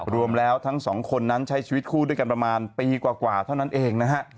รวมแล้วทั้งสองคนนั้นใช้ชีวิตคู่ด้วยกันประมาณปีกว่าเท่านั้นเองนะฮะ